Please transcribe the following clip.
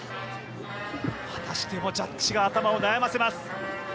果たしてジャッジが頭を悩ませます。